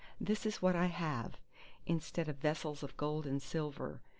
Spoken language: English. This is what I have, instead of vessels of gold and silver!